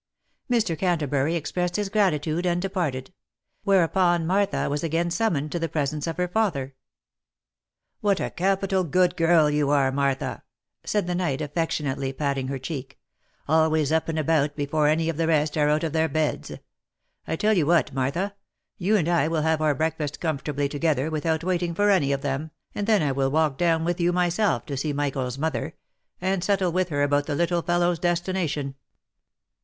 Mr. Cantabury expressed his gratitude and departed ; whereupon Martha was again summoned to the presence of her father. " What a capital good girl you are, Martha," said the knight, affec tionately patting her cheek, " always up and about before any of the rest are out of their beds — 1 tell you what, Martha, you and I will have our breakfast comfortably together without waiting for any of them, and then I will walk down with you myself to see Michael's mother, and settle with her about the little fellow's destination."